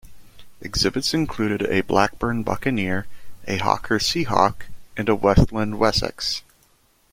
Exhibits included a Blackburn Buccaneer, a Hawker Sea Hawk and a Westland Wessex.